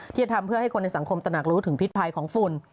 ที่จะทำเพื่อให้คนในสังคมตระหนักรู้ถึงพิษภัยของฝุ่น